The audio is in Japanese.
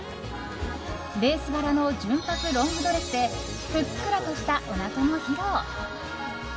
レース柄の純白ロングドレスでふっくらとしたおなかも披露。